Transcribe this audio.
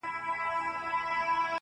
پر ما خوښي لكه باران را اوري.